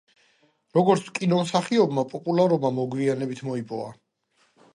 როგორც კინომსახიობმა პოპულარობა მოგვიანებით მოიპოვა.